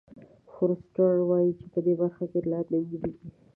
فورسټر وایي په دې برخه کې اطلاعات نیمګړي دي.